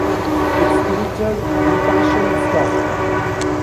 It's spirited, impassioned stuff.